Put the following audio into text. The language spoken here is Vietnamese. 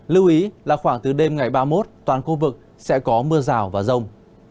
lưu ý là khoảng từ đêm ngày ba mươi một toàn khu vực sẽ có mưa rào và rông